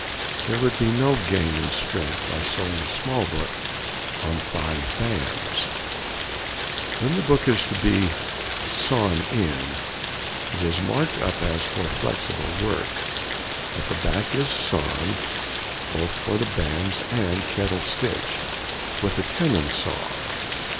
There would be no gain in strength by sewing a small book on five bands. [Illustration: A. Saw marks for catch up stitch.] When the book is to be "sawn in," it is marked up as for flexible work, but the back is sawn, both for the bands and kettle stitch, with a tennon saw.